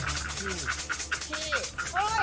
คี่